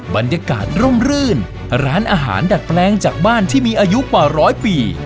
บรรยากาศร่มรื่นร้านอาหารดัดแปลงจากบ้านที่มีอายุกว่าร้อยปี